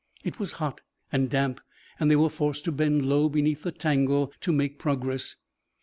It was hot and damp and they were forced to bend low beneath the tangle to make progress.